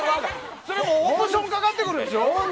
それもオプションかかってくるでしょ？